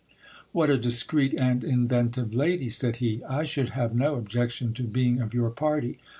What a discreet and inventive lady ! said he. I should have no ob jection to being of your party.